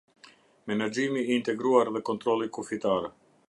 Menaxhimi i integruar dhe kontrolli kufitar.